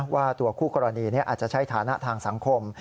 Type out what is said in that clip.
ว่าตัวคู่กรณีอาจจะใช้ฐานะทางสังคม